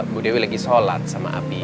bu dewi lagi sholat sama api